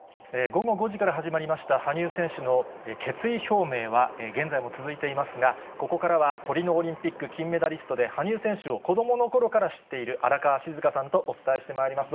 午後５時から始まりました羽生選手の決意表明は、現在も続いていますが、ここからは、トリノオリンピック金メダリストで、羽生選手を子どものころから知っている、荒川静香さんとお伝えしてまいります。